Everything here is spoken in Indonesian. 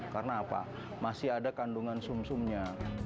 karena apa masih ada kandungan sum sumnya